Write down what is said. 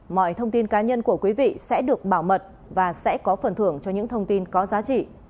mọi thông tin cá nhân của quý vị sẽ được bảo mật và sẽ có phần thưởng cho những thông tin có giá trị